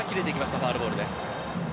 ファウルボールです。